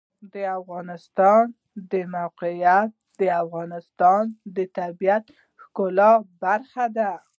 د افغانستان د موقعیت د افغانستان د طبیعت د ښکلا برخه ده.